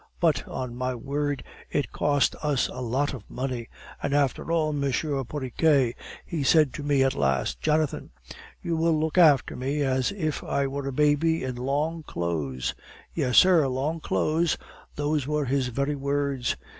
But, on my word, it cost us a lot of money! And, after all, M. Porriquet, he said to me at last: "'Jonathan, you will look after me as if I were a baby in long clothes,' Yes, sir, 'long clothes!' those were his very words.